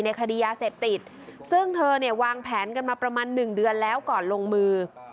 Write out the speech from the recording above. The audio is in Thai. คดียาเสพติดซึ่งเธอเนี่ยวางแผนกันมาประมาณหนึ่งเดือนแล้วก่อนลงมือ